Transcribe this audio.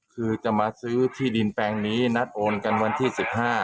คือจะมาซื้อที่ดินแปลงนี้นัดโอนกันวันที่๑๕